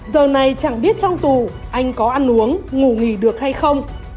giờ này chẳng biết trong tù anh có ăn uống ngủ nghỉ được hay không